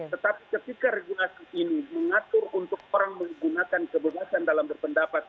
tetapi ketika regulasi ini mengatur untuk orang menggunakan kebebasan dalam berpendapat